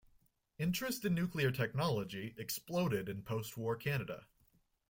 Interest in nuclear technology exploded in post-war Canada.